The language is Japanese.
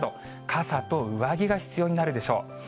傘と上着が必要になるでしょう。